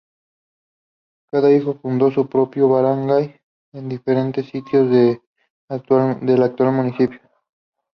Cada hijo fundó su propio barangay en diferentes sitios del actual municipio.